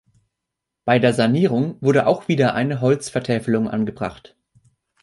Bei der Sanierung wurde auch wieder eine Holzvertäfelung angebracht.